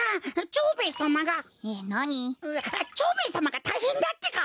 蝶兵衛さまがたいへんだってか。